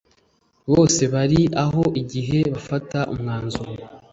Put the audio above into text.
bose bari aho igihe bafata umwanzuro